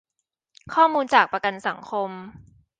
ข้อมูลจากประกันสังคม